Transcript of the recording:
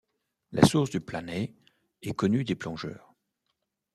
La source du Planey est connue des plongeurs.